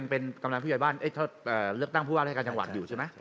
ขอถามิดีเดียวลือตั้งผู้ว่าในการจังหวัดอยู่ใช่มั้ย